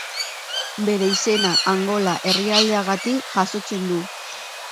Bere izena Angola herrialdeagatik jasotzen du.